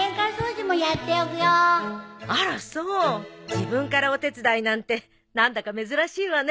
自分からお手伝いなんて何だか珍しいわね。